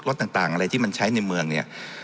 ต่างอะไรที่มันใช้ในเมืองเนี่ย